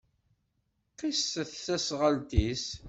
Qisset teẓɣelt-is.